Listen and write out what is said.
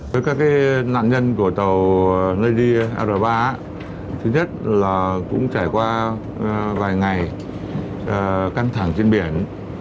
với các nạn nhân của tàu nady r ba thứ nhất là cũng trải qua vài ngày căng thẳng trên biển